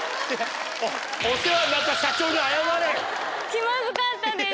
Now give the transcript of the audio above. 気まずかったです。